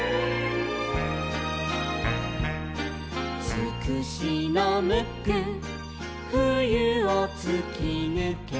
「つくしのムックふゆをつきぬけ」